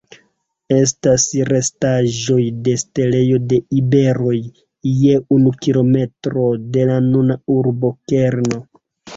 Estas restaĵoj de setlejo de iberoj je unu kilometro de la nuna urba kerno.